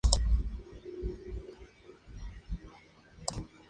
El juego tiene un fuerte apoyo comunitario, mantenido mediante foros oficiales.